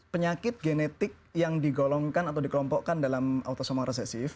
penyakit genetik yang digolongkan atau dikelompokkan dalam autosoma resesif